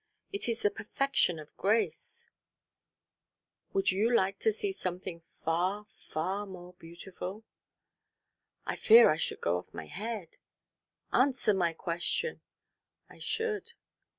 "It is the perfection of grace " "Would you like to see something far, far more beautiful?" "I fear I should go off my head " "Answer my question." "I should."